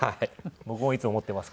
僕もいつも持っています